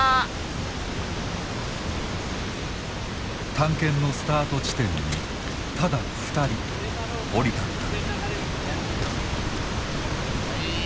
探検のスタート地点にただ２人降り立った。